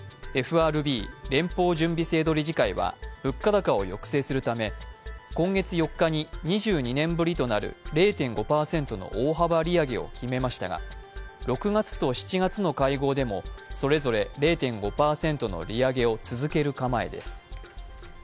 ＦＲＢ＝連邦準備制度理事会は物価高を抑制するため今月４日に２２年ぶりとなる０．５％の大幅利上げを決めましたが６月と７月の会合でもそれぞれ０．５％の利上げを続ける構えです。